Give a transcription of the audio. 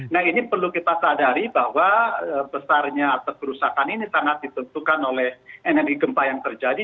nah ini perlu kita sadari bahwa besarnya atau kerusakan ini sangat ditentukan oleh energi gempa yang terjadi